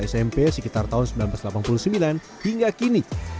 smp sekitar tahun seribu sembilan ratus delapan puluh sembilan hingga kini